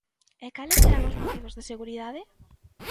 ¿E cales eran os motivos de seguridade?